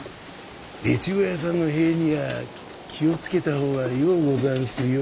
越後屋さんの塀には気を付けた方がようござんすよ。